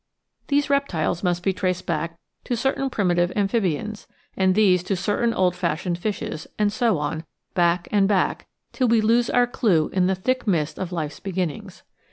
These reptiles must be traced back to certain primitive amphibians, and these to certain old fashioned fishes, and so on, back and back, till we lose our clue in the thick mist of life's be ginnings.